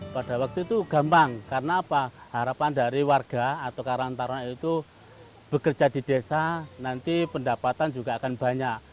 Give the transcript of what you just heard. pada waktu itu gampang karena apa harapan dari warga atau karang taruna itu bekerja di desa nanti pendapatan juga akan banyak